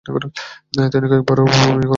তিনি কয়েক বার বমিও করলেন।